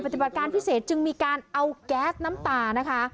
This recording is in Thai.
ปฏิบัติการพิเศษจึงมีการเอาแก๊สน้ำตานะคะ